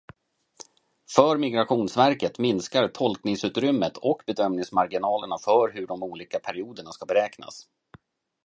För Migrationsverket minskar tolkningsutrymmet och bedömningsmarginalerna för hur de olika perioderna ska beräknas.